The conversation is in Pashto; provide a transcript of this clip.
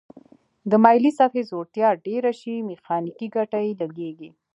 د مایلې سطحې ځوړتیا ډیره شي میخانیکي ګټه یې لږیږي.